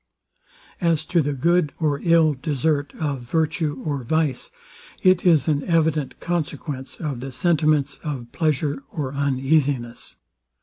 As to the good or ill desert of virtue or vice, it is an evident consequence of the sentiments of pleasure or uneasiness.